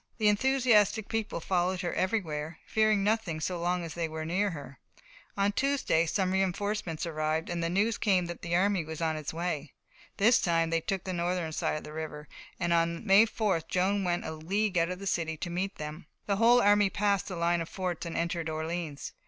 The enthusiastic people followed her everywhere, fearing nothing so long as they were near her. On Tuesday some reinforcements arrived, and news came that the army was on its way. This time they took the northern side of the river, and on May 4th Joan went a league out of the city to meet them. The whole army passed the line of forts and entered Orleans.